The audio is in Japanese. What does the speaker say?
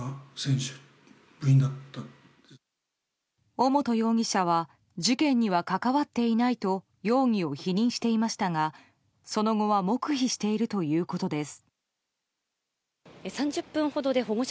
尾本容疑者は事件には関わっていないと容疑を否認していましたがその後は黙秘しているということです。